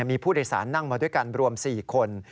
มีผู้โดยสารนั่งมาด้วยกันรวม๔คน